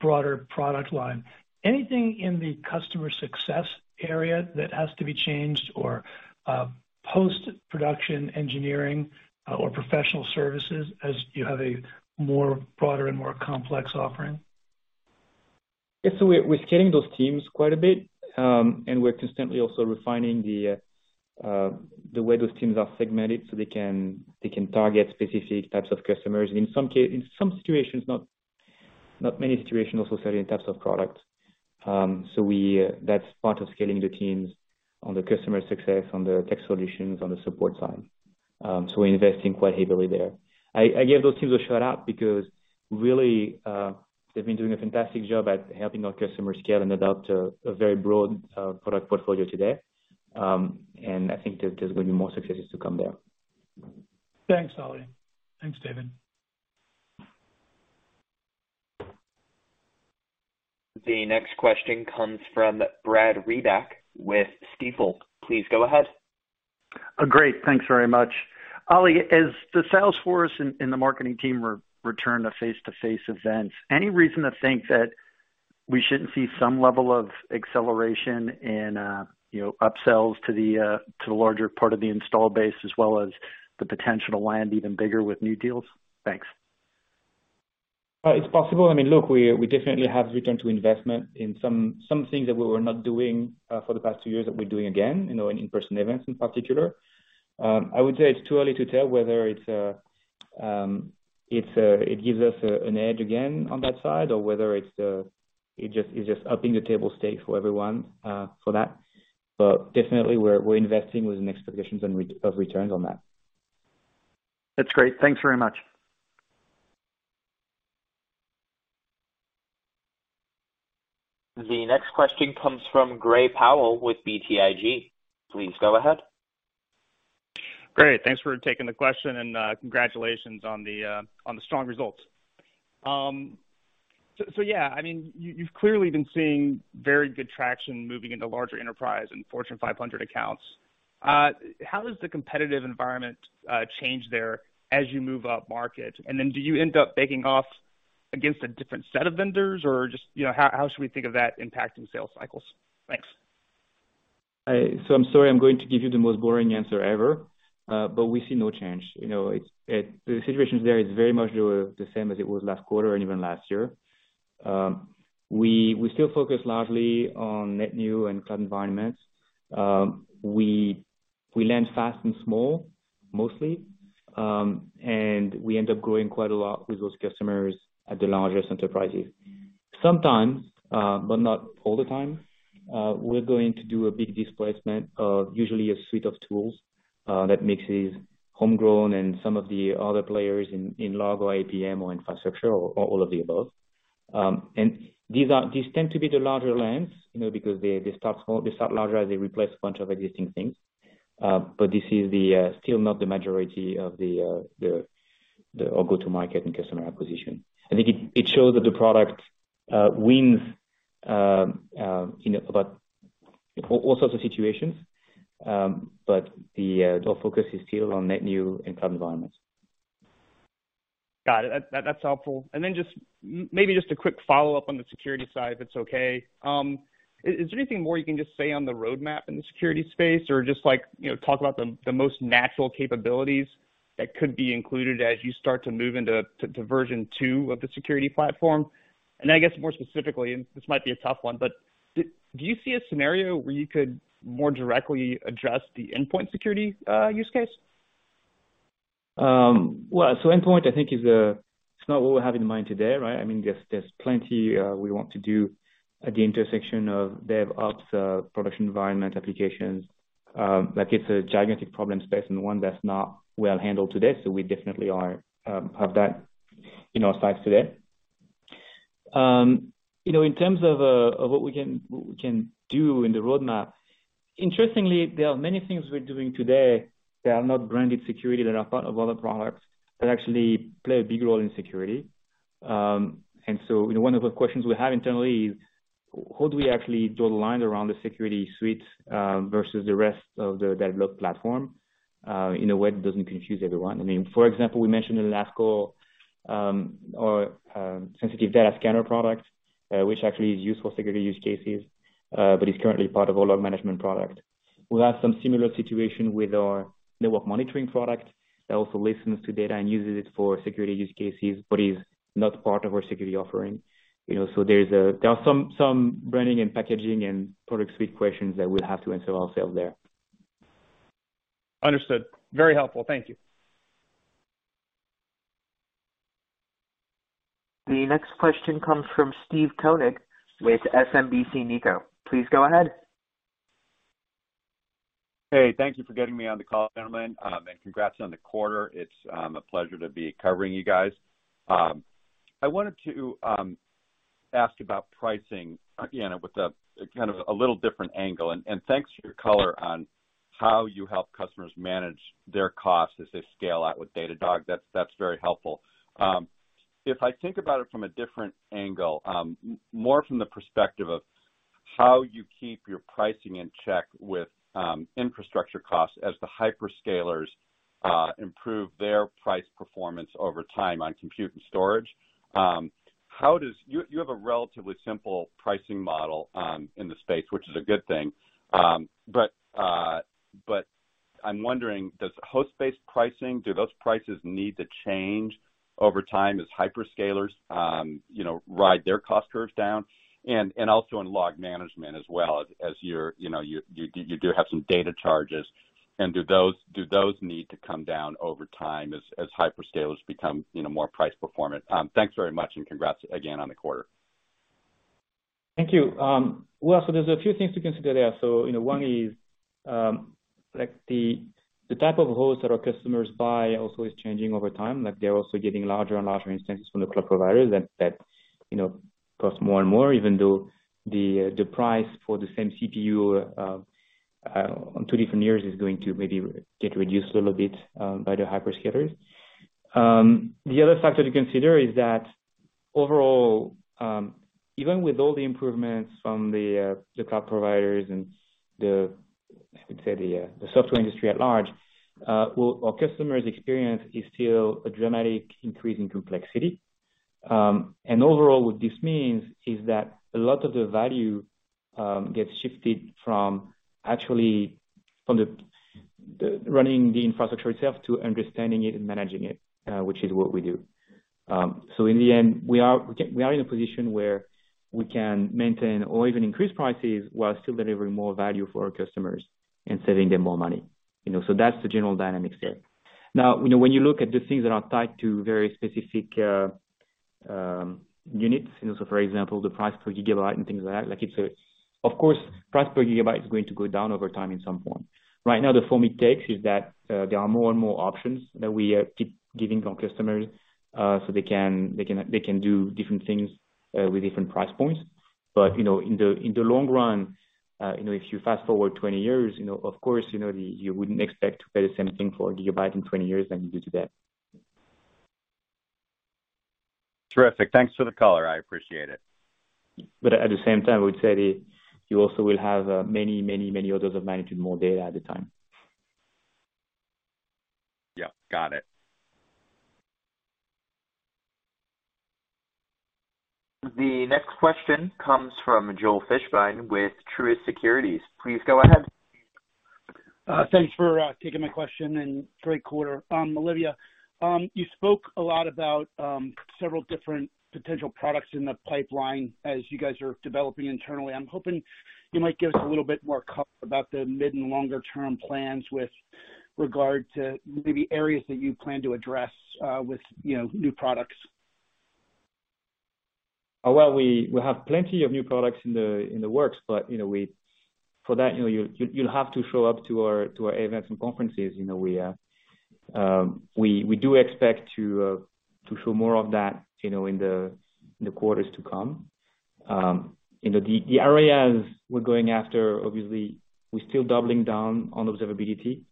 broader product line. Anything in the customer success area that has to be changed or post-production engineering, or professional services as you have a more broader and more complex offering? Yeah, we're scaling those teams quite a bit, and we're constantly also refining the way those teams are segmented so they can target specific types of customers. In some situations, not many situations, also certain types of products. That's part of scaling the teams on the customer success, on the tech solutions, on the support side. We're investing quite heavily there. I give those teams a shout-out because really, they've been doing a fantastic job at helping our customers scale and adopt a very broad product portfolio today. I think there's gonna be more successes to come there. Thanks, Olivier. Thanks, David. The next question comes from Brad Reback with Stifel. Please go ahead. Great. Thanks very much. Olivier, as the sales force and the marketing team return to face-to-face events, any reason to think that we shouldn't see some level of acceleration in, you know, upsells to the larger part of the install base as well as the potential to land even bigger with new deals? Thanks. It's possible. I mean, look, we definitely have return on investment in some things that we were not doing for the past two years that we're doing again, you know, in-person events in particular. I would say it's too early to tell whether it gives us an edge again on that side or whether it's just upping the table stakes for everyone for that. Definitely we're investing with expectations of returns on that. That's great. Thanks very much. The next question comes from Gray Powell with BTIG. Please go ahead. Great. Thanks for taking the question and, congratulations on the, on the strong results. Yeah, I mean, you've clearly been seeing very good traction moving into larger enterprise and Fortune 500 accounts. How does the competitive environment change there as you move up-market? Do you end up bake-off against a different set of vendors or just, you know, how should we think of that impacting sales cycles? Thanks. I'm sorry, I'm going to give you the most boring answer ever. We see no change. You know, it's the situation there is very much the same as it was last quarter and even last year. We still focus largely on net new and cloud environments. We land fast and small, mostly. We end up growing quite a lot with those customers at the largest enterprises. Sometimes, but not all the time, we're going to do a big displacement of usually a suite of tools that mixes homegrown and some of the other players in log or APM or infrastructure or all of the above. These are... These tend to be the larger lands, you know, because they start larger as they replace a bunch of existing things. This is still not the majority of our go-to-market and customer acquisition. I think it shows that the product wins in about all sorts of situations. Our focus is still on net new and cloud environments. Got it. That's helpful. Just maybe just a quick follow-up on the security side, if it's okay. Is there anything more you can just say on the roadmap in the security space? Or just like, you know, talk about the most natural capabilities that could be included as you start to move into version two of the security platform? I guess more specifically, this might be a tough one, but do you see a scenario where you could more directly address the endpoint security use case? Well, endpoint I think is not what we have in mind today, right? I mean, there's plenty we want to do at the intersection of DevOps, production environment applications. Like it's a gigantic problem space and one that's not well handled today. We definitely have that in our sights today. You know, in terms of what we can do in the roadmap, interestingly, there are many things we're doing today that are not branded security that are part of other products that actually play a big role in security. One of the questions we have internally is how do we actually draw the line around the security suite versus the rest of the developer platform in a way that doesn't confuse everyone. I mean, for example, we mentioned in the last call, our Sensitive Data Scanner product, which actually is used for security use cases, but is currently part of our Log Management product. We'll have some similar situation with our Network Monitoring product that also listens to data and uses it for security use cases, but is not part of our security offering. You know, so there are some branding and packaging and product suite questions that we'll have to answer ourselves there. Understood. Very helpful. Thank you. The next question comes from Steve Koenig with SMBC Nikko. Please go ahead. Hey, thank you for getting me on the call, gentlemen. Congrats on the quarter. It's a pleasure to be covering you guys. I wanted to ask about pricing again with a kind of a little different angle, and thanks for your color on how you help customers manage their costs as they scale out with Datadog. That's very helpful. If I think about it from a different angle, more from the perspective of how you keep your pricing in check with infrastructure costs as the hyperscalers improve their price performance over time on compute and storage. You have a relatively simple pricing model in the space, which is a good thing. I'm wondering, does host-based pricing, do those prices need to change over time as hyperscalers you know ride their cost curves down? Also in Log Management as well as your you know you do have some data charges. Do those need to come down over time as hyperscalers become you know more price performant? Thanks very much and congrats again on the quarter. Thank you. Well, there's a few things to consider there. You know, one is, like the type of host that our customers buy also is changing over time, like they're also getting larger and larger instances from the cloud providers that you know cost more and more even though the price for the same CPU on two different years is going to maybe get reduced a little bit by the hyperscalers. The other factor to consider is that overall, even with all the improvements from the cloud providers and the, I would say, the software industry at large, well, our customers' experience is still a dramatic increase in complexity. Overall what this means is that a lot of the value gets shifted from actually from the running the infrastructure itself to understanding it and managing it, which is what we do. In the end, we are in a position where we can maintain or even increase prices while still delivering more value for our customers and saving them more money. You know, that's the general dynamics there. Now, you know, when you look at the things that are tied to very specific units, you know, for example, the price per gigabyte and things like that, like it's a. Of course, price per gigabyte is going to go down over time in some form. Right now, the form it takes is that there are more and more options that we are keep giving our customers, so they can do different things with different price points. You know in the long run you know if you fast-forward 20 years you know of course you know you wouldn't expect to pay the same thing for a gigabyte in 20 years than you do today. Terrific. Thanks for the color. I appreciate it. At the same time, I would say you also will have many others are managing more data at the time. Yeah. Got it. The next question comes from Joel Fishbein with Truist Securities. Please go ahead. Thanks for taking my question, and great quarter. Olivier, you spoke a lot about several different potential products in the pipeline as you guys are developing internally. I'm hoping you might give us a little bit more color about the mid and longer term plans with regard to maybe areas that you plan to address with new products. Well, we have plenty of new products in the works, but you know, for that, you'll have to show up to our events and conferences. You know, we do expect to show more of that, you know, in the quarters to come. You know, the areas we're going after, obviously, we're still doubling down on observability.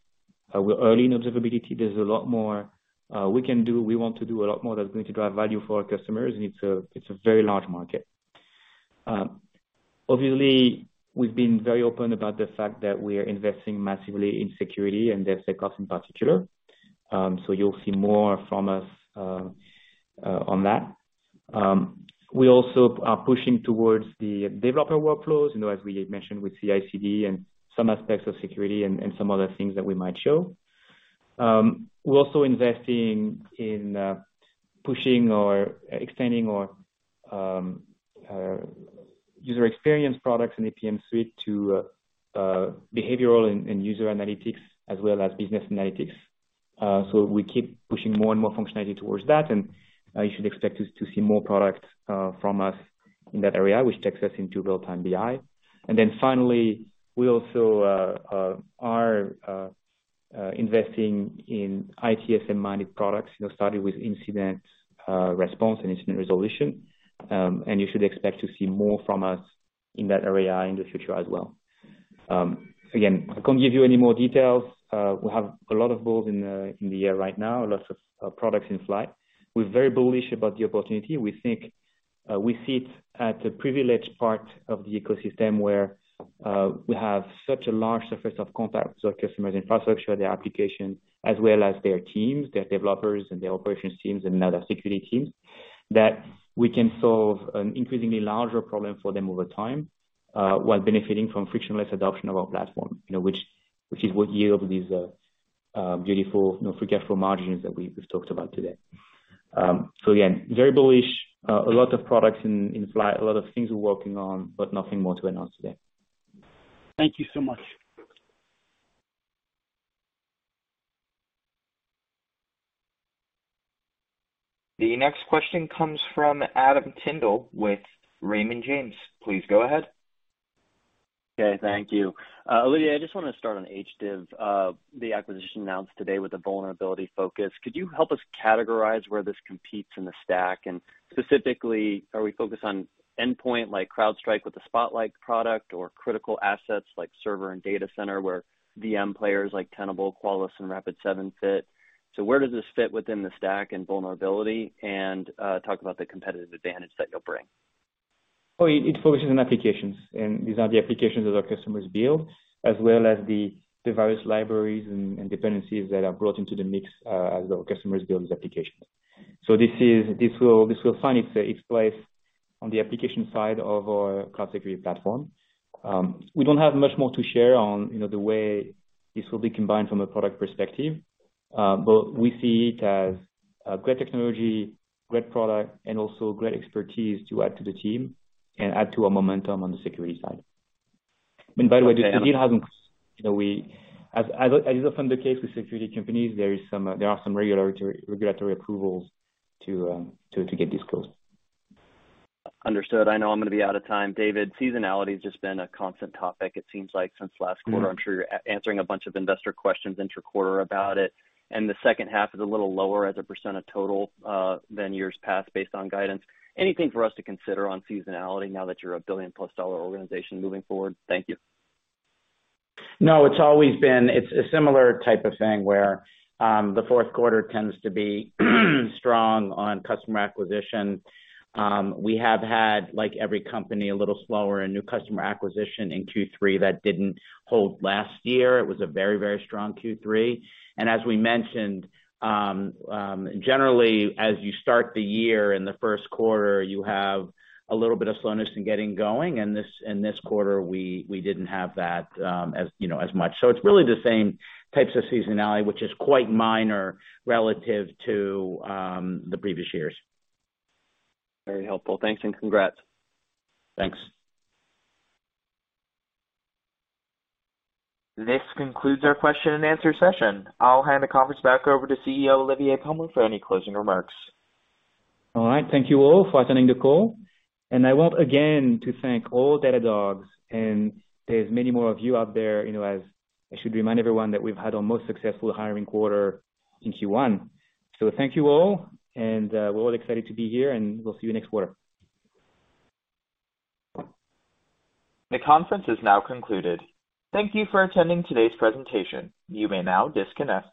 We're early in observability. There's a lot more we can do. We want to do a lot more that's going to drive value for our customers, and it's a very large market. Obviously, we've been very open about the fact that we are investing massively in security and DevSecOps in particular, so you'll see more from us on that. We also are pushing towards the developer workflows, you know, as we mentioned with CI/CD and some aspects of security and some other things that we might show. We're also investing in pushing or extending our user experience products and APM Suite to behavioral and user analytics as well as business analytics. So we keep pushing more and more functionality towards that, and you should expect us to see more products from us in that area, which takes us into real-time BI. Finally, we also are investing in ITSM managed products, you know, starting with incident response and incident resolution. You should expect to see more from us in that area in the future as well. Again, I can't give you any more details. We have a lot of balls in the air right now, lots of products in flight. We're very bullish about the opportunity. We think we sit at the privileged part of the ecosystem where we have such a large surface of contact to our customers' infrastructure, their application, as well as their teams, their developers and their operations teams and other security teams, that we can solve an increasingly larger problem for them over time, while benefiting from frictionless adoption of our platform. You know, which is what yields these beautiful, you know, fabulous margins that we've talked about today. Again, very bullish. A lot of products in flight. A lot of things we're working on, but nothing more to announce today. Thank you so much. The next question comes from Adam Tindle with Raymond James. Please go ahead. Okay. Thank you. Olivier, I just want to start on Hdiv, the acquisition announced today with a vulnerability focus. Could you help us categorize where this competes in the stack? And specifically, are we focused on endpoint like CrowdStrike with the Falcon Spotlight product or critical assets like server and data center where VM players like Tenable, Qualys and Rapid7 fit? Where does this fit within the stack and vulnerability? And talk about the competitive advantage that you'll bring. It focuses on applications, and these are the applications that our customers build, as well as the various libraries and dependencies that are brought into the mix, as our customers build these applications. This will find its place on the application side of our Cloud Security Platform. We don't have much more to share on, you know, the way this will be combined from a product perspective. We see it as a great technology, great product, and also great expertise to add to the team and add to our momentum on the security side. By the way, this deal hasn't, you know. As is often the case with security companies, there are some regulatory approvals to get this closed. Understood. I know I'm gonna be out of time. David, seasonality's just been a constant topic, it seems like since last quarter. I'm sure you're answering a bunch of investor questions inter-quarter about it, and the second half is a little lower as a % of total than years past, based on guidance. Anything for us to consider on seasonality now that you're a billion-plus dollar organization moving forward? Thank you. No, it's always been. It's a similar type of thing, where the fourth quarter tends to be strong on customer acquisition. We have had, like every company, a little slower in new customer acquisition in Q3 that didn't hold last year. It was a very, very strong Q3. As we mentioned, generally, as you start the year in the first quarter, you have a little bit of slowness in getting going, and in this quarter, we didn't have that, as you know, as much. It's really the same types of seasonality, which is quite minor relative to the previous years. Very helpful. Thanks, and congrats. Thanks. This concludes our question and answer session. I'll hand the conference back over to CEO Olivier Pomel for any closing remarks. All right. Thank you all for attending the call, and I want again to thank all Datadogs, and there's many more of you out there. You know, as I should remind everyone, that we've had our most successful hiring quarter in Q1. Thank you all, and we're all excited to be here, and we'll see you next quarter. The conference is now concluded. Thank you for attending today's presentation. You may now disconnect.